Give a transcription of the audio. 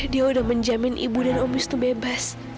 dia udah menjamin ibu dan omis itu bebas